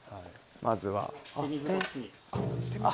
まずは。